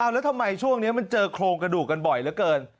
แล้วทำไมช่วงนี้มันเจอโครงกระดูกกันบ่อยเหลือเกิน